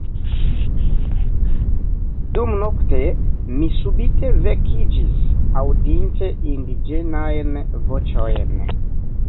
Dumnokte mi subite vekiĝis, aŭdinte indiĝenajn voĉojn.